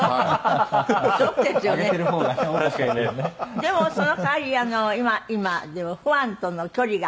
でもその代わり今ではファンとの距離が。